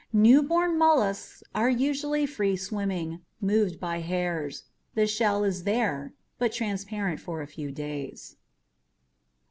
Newborn mollusks are usually free swimming, moved by hairs. Shell is there, but transparent for a few days.